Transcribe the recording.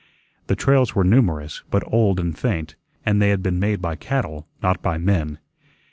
The trails were numerous, but old and faint; and they had been made by cattle, not by men.